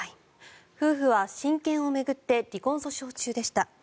夫婦は親権を巡って離婚訴訟中でした。